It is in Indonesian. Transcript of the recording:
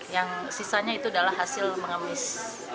yang sisanya itu adalah hasil mengemis